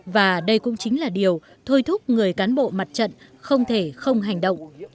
và đây cũng chính là điều thôi thúc người cán bộ mặt trận không thể không hành động